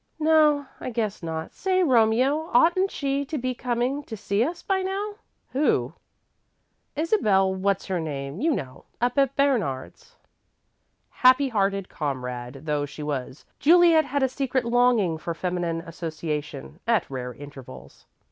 "No, I guess not. Say, Romie, oughtn't she to be coming to see us by now?" "Who?" "Isabel what's her name. You know, up at Bernard's." Happy hearted comrade though she was, Juliet had a secret longing for feminine association, at rare intervals.